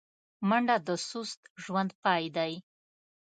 منډه د سست ژوند پای دی